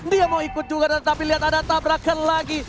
dia mau ikut juga tapi lihat ada tabrak lagi